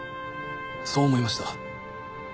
そう思いました。